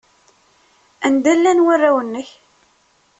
Anda llan warraw-nnek?